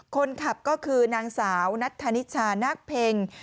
คนขับก็คือนางสาวนัทธานิชานักเพ็ง